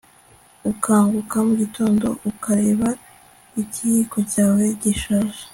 ukanguka mugitondo ukareba ikiyiko cyawe gishaje